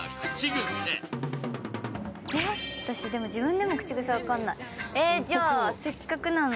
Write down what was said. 私、自分でも口癖、分わかんない。